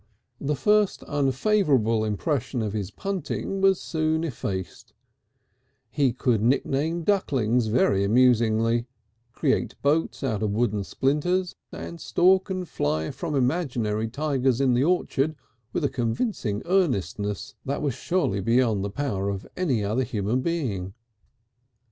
The first unfavourable impression of his punting was soon effaced; he could nickname ducklings very amusingly, create boats out of wooden splinters, and stalk and fly from imaginary tigers in the orchard with a convincing earnestness that was surely beyond the power of any other human being.